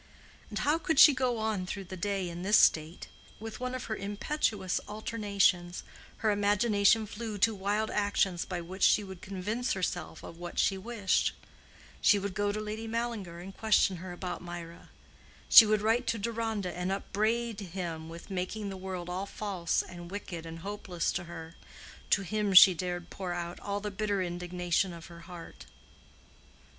And how could she go on through the day in this state? With one of her impetuous alternations, her imagination flew to wild actions by which she would convince herself of what she wished: she would go to Lady Mallinger and question her about Mirah; she would write to Deronda and upbraid him with making the world all false and wicked and hopeless to her—to him she dared pour out all the bitter indignation of her heart.